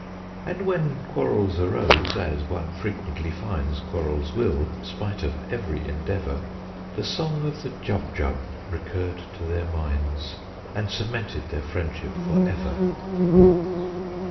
And when quarrels arose as one frequently finds Quarrels will, spite of every endeavour The song of the Jubjub recurred to their minds, And cemented their friendship for ever!